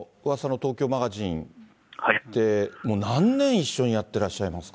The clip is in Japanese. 東京マガジンで、もう何年一緒にやってらっしゃいますか？